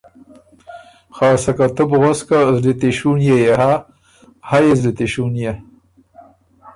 خه سکه تُو بو غؤس که زلی تِشُونيې يې هۀ، هۀ يې زلی تِشُونيې۔